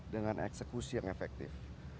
dengan eksekusi yang efektif